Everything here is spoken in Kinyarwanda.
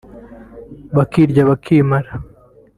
bakirya bakimara